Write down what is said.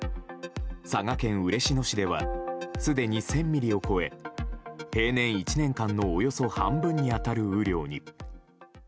佐賀県嬉野市ではすでに１０００ミリを超え平年１年間のおよそ半分に当たる雨量に。